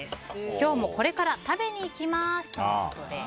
今日もこれから食べに行きますとのことです。